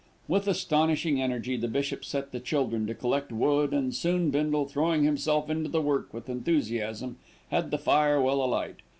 With astonishing energy, the bishop set the children to collect wood, and soon Bindle, throwing himself into the work with enthusiasm, had the fire well alight.